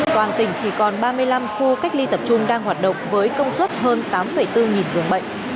toàn tỉnh chỉ còn ba mươi năm khu cách ly tập trung đang hoạt động với công suất hơn tám bốn dường bệnh